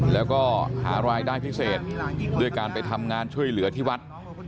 แล้วก็หารายได้พิเศษด้วยการไปทำงานช่วยเหลือที่วัด